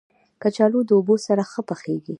کچالو له اوبو سره ښه پخېږي